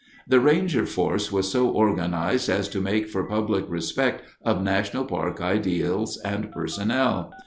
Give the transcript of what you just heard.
The ranger force was so organized as to make for public respect of national park ideals and personnel.